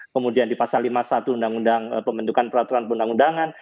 kemudian di pasal lima puluh satu undang undang pembentukan peraturan undang undangan